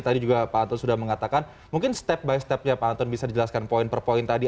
tadi juga pak anton sudah mengatakan mungkin step by stepnya pak anton bisa dijelaskan poin per poin tadi